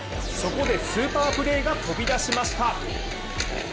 そこでスーパープレーが飛び出しました。